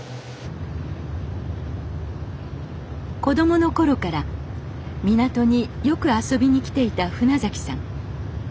子供の頃から港によく遊びに来ていた船さん。